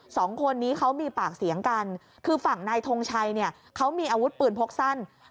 สองคนนี้เขามีปากเสียงกันคือฝั่งนายทงชัยเนี่ยเขามีอาวุธปืนพกสั้น